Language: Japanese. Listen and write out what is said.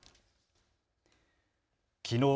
きのう